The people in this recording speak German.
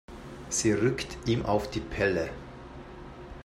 Sie rückt ihm auf die Pelle.